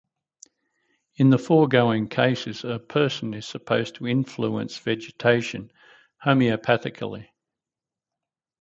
In the foregoing cases a person is supposed to influence vegetation homeopathically.